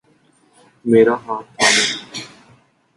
میرا ہاتھ تھامو۔